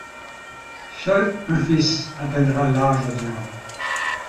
Seul un fils atteindra l’âge adulte.